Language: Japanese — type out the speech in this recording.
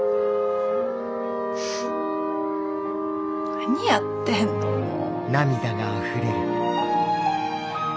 何やってんのもう。